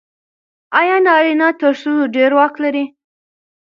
آیا نارینه تر ښځو ډېر واک لري؟